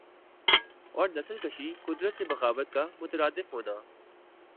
اور نسل کشی قدرت سے بغاوت کا مترادف ہونا